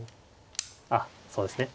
あっそうですね。